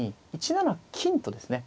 １七金とですね